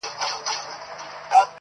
یو یار مي ته یې شل مي نور نیولي دینه،